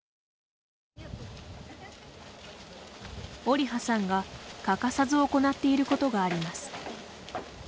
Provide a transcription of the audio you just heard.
オリハさんが欠かさず行っていることがあります。